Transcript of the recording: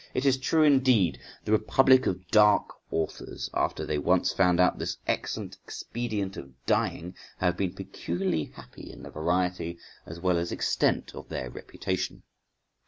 It is true, indeed, the republic of dark authors, after they once found out this excellent expedient of dying, have been peculiarly happy in the variety as well as extent of their reputation.